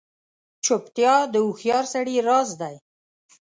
چوپتیا، د هوښیار سړي راز دی.